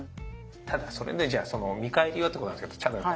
ただそれでじゃあその「見返りは」ってことなんですけどこの方